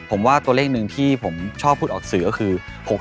ผมว่าตัวเลขหนึ่งที่ผมชอบพูดออกสื่อก็คือ